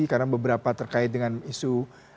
karena beberapa terkait dengan isu